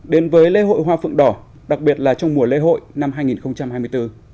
đến với lễ hội hoa phượng đỏ đặc biệt là trong mùa lễ hội năm hai nghìn hai mươi bốn